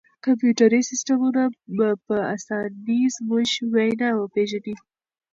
کمپیوټري سیسټمونه به په اسانۍ زموږ وینا وپېژني.